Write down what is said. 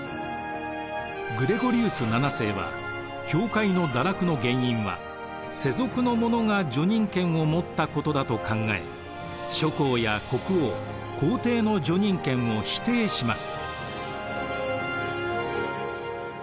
グレゴリウス７世は教会の堕落の原因は世俗の者が叙任権を持ったことだと考え諸侯や国王皇帝の叙任権を否定します。